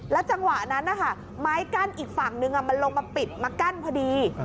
จังหวะนั้นนะคะไม้กั้นอีกฝั่งนึงมันลงมาปิดมากั้นพอดี